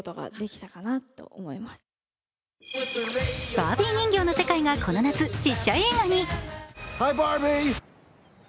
バービー人形の世界がこの夏実写映画に。